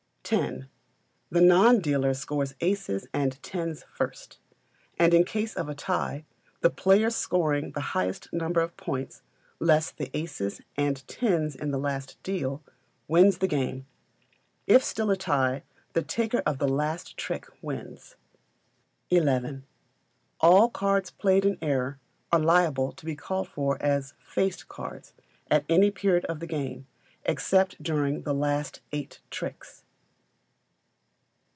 x. The non dealer scores aces and tens first; and in case of a tie, the player scoring the highest number of points, less the aces and tens in the last deal, wins the game. If still a tie, the taker of the last trick wins. xi. All cards played in error are liable to be called for as "faced" cards at any period of the game, except during the last eight tricks.